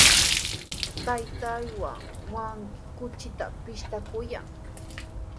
Taytaawan wawqi kuchitami pishtaykaayan.